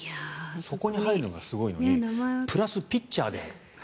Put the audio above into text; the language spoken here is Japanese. そこに入るのがすごいのにプラスピッチャーで。